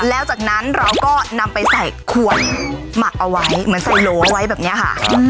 แล้วจากนั้นเราก็นำไปใส่ขวดหมักเอาไว้เหมือนใส่โหลเอาไว้แบบนี้ค่ะ